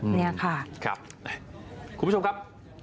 เนี่ยค่ะคุณผู้ชมครับ